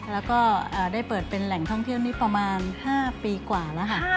แล้วก็ได้เปิดเป็นแหล่งท่องเที่ยวนี้ประมาณ๕ปีกว่าแล้วค่ะ